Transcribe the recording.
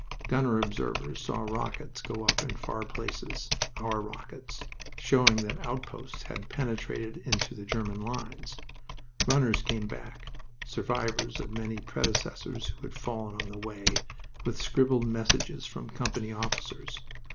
Gunner observers saw rockets go up in far places our rockets showing that outposts had penetrated into the German lines. Runners came back survivors of many predecessors who had fallen on the way with scribbled messages from company officers.